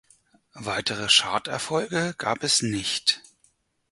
Weitere Charterfolge gab es nicht.